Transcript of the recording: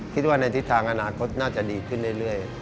คิดว่าในทิศทางอนาคตน่าจะดีขึ้นเรื่อย